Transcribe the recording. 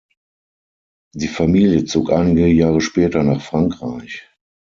Die Familie zog einige Jahre später nach Frankreich.